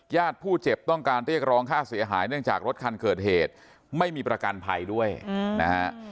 ผู้เจ็บต้องการเรียกร้องค่าเสียหายเนื่องจากรถคันเกิดเหตุไม่มีประกันภัยด้วยนะฮะ